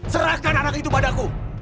serahkan anak itu padaku